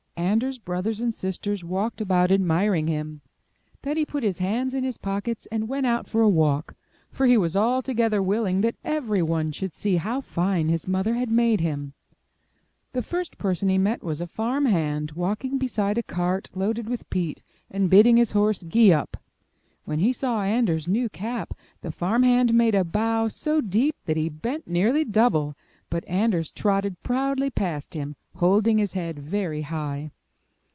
Anders' brothers and sisters walked about admiring him; then he put his hands in his pockets and went out for a walk, for he was altogether willing that everyone should see how fine his mother had made him. The first person he met was a farmhand walking beside a cart loaded with peat, and bidding his horse gee up. When he saw Anders* new cap, the farmhand made a bow so deep that he bent nearly double, but Anders trotted proudly past him, holding his head very high.